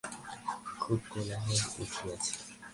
খুব কোলাহল উঠিয়াছে।